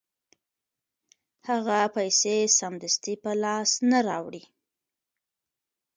هغه پیسې سمدستي په لاس نه راوړي